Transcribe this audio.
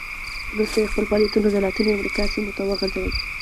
وروسته یې خپل فعالیتونه د لاتینې امریکا سیمو ته وغځول.